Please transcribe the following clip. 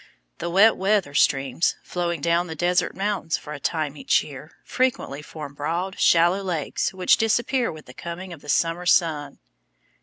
The wet weather streams, flowing down the desert mountains for a short time each year, frequently form broad, shallow lakes which disappear with the coming of the summer sun.